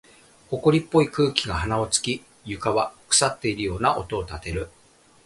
埃っぽい空気が鼻を突き、床は腐っているような音を立てる。